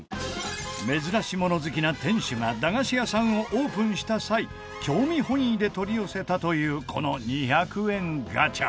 珍しもの好きな店主が駄菓子屋さんをオープンした際興味本位で取り寄せたというこの２００円ガチャ。